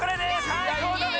さいこうだね！